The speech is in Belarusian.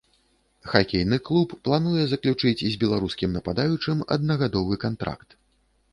Хакейны клуб плануе заключыць з беларускім нападаючым аднагадовы кантракт.